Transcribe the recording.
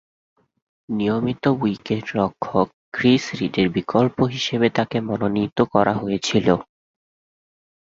নিয়মিত উইকেট-রক্ষক ক্রিস রিডের বিকল্প হিসেবে তাকে মনোনয়ন দেয়া হয়েছিল।